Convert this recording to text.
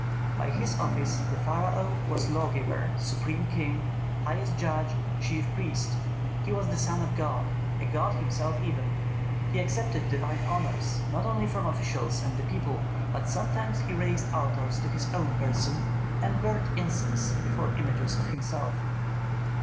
By his office the pharaoh was lawgiver, supreme king, highest judge, chief priest; he was the son of a god, a god himself even. He accepted divine honors, not only from officials and the people, but sometimes he raised altars to his own person, and burnt incense before images of himself.